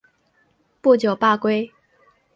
不久罢归。